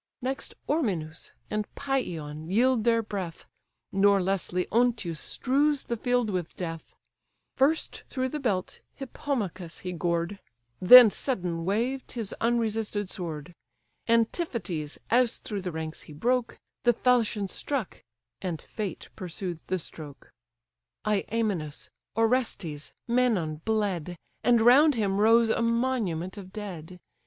Next Ormenus and Pylon yield their breath: Nor less Leonteus strews the field with death; First through the belt Hippomachus he gored, Then sudden waved his unresisted sword: Antiphates, as through the ranks he broke, The falchion struck, and fate pursued the stroke: Iamenus, Orestes, Menon, bled; And round him rose a monument of dead.